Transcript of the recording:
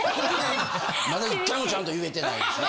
まだ一回もちゃんと言えてないですね。